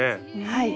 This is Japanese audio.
はい。